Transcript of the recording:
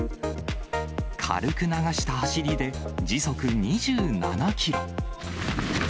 軽く流した走りで、時速２７キロ。